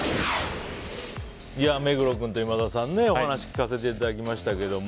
目黒君と今田さん、お話聞かせていただきましたけれども。